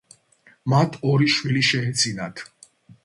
მათ ორი შვილი შეეძინათ.